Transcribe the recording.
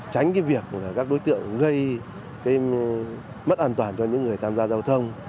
tránh việc các đối tượng gây mất an toàn cho những người tham gia giao thông